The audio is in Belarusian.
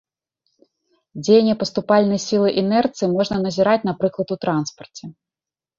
Дзеянне паступальнай сілы інерцыі можна назіраць, напрыклад, у транспарце.